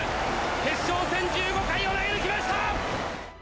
決勝戦１５回を投げ抜きました！